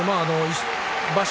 場所